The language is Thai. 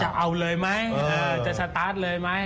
จะเอาเลยไหมจะสตาร์ทเลยไหม